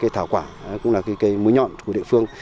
thảo quả cũng là cái cây muối nhọn của địa phương